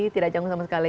tidak canggung sama sekali